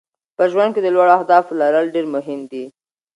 په ژوند کې د لوړو اهدافو لرل ډېر مهم دي.